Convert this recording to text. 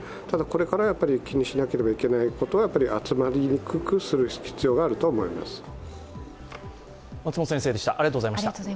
ただこれからやはり気にしなければいけないことは集まりにくくする必要があると思います。